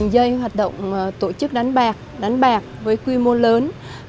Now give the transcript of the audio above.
dây hoạt động tổ chức đánh bạc đánh bạc với quy mô lớn